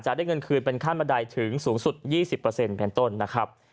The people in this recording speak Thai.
จะได้เงินคืนเป็นค่านบดัยถึงสูงสุด๒๐แผ่นต้นนะครับ